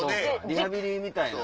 リハビリみたいな。